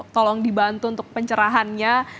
tolong dibantu untuk pencerahannya